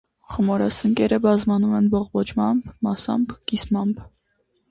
Խմորասնկերը բազմանում են բողբոջմամբ, մասամբ՝ կիսմամբ։